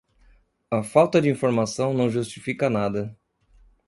A falta de informação não justifica nada.